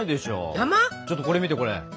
ちょっとこれ見てこれ！